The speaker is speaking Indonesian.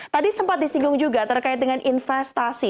tadi sempat disinggung juga terkait dengan investasi